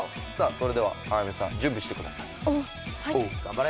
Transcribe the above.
それでは浜辺さん準備してください頑張れ！